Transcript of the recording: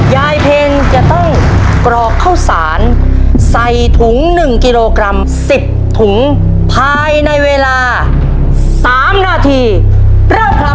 เพลจะต้องกรอกข้าวสารใส่ถุง๑กิโลกรัม๑๐ถุงภายในเวลา๓นาทีเริ่มครับ